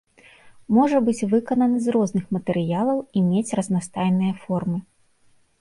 Можа быць выкананы з розных матэрыялаў і мець разнастайныя формы.